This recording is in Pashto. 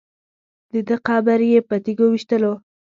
دده قبر یې په تیږو ویشتلو.